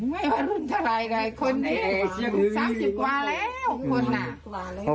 ไม่ว่ารุ่นเท่าไรเลยคนเนี่ย๓๐กว่าแล้วคนน่ะ